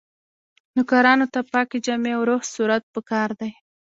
نوکرانو ته پاکې جامې او روغ صورت پکار دی.